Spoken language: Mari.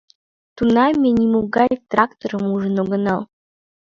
Тунам ме нимогай тракторым ужын огынал.